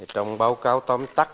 trong báo cáo tóm tắc